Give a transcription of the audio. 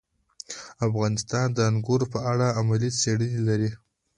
افغانستان د انګور په اړه علمي څېړنې لري.